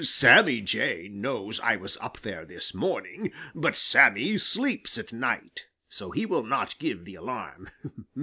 Sammy Jay knows I was up there this morning, but Sammy sleeps at night, so he will not give the alarm.